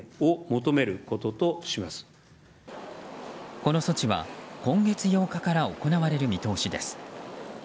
この措置は今月８日から行われる見通しです。